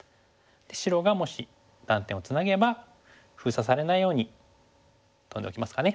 白がもし断点をツナげば封鎖されないようにトンでおきますかね。